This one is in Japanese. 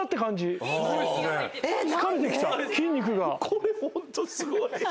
これホントすごい。